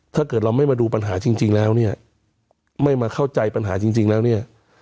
ถ้าเกิดเราไม่มาดูปัญหาจริงแล้วเนี่ยไม่มาเข้าใจปัญหาจริงแล้วเนี่ย